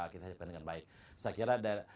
kita hadapkan dengan baik saya kira